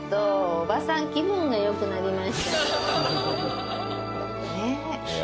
おばさん気分がよくなりましたよねぇ？